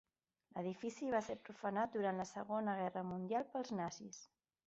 L'edifici va ser profanat durant la Segona Guerra Mundial pels nazis.